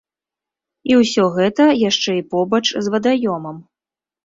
І ўсё гэта яшчэ і побач з вадаёмам.